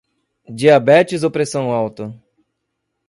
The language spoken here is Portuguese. Diabetes ou pressão alta?